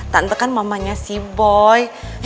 tante kan mamanya si boy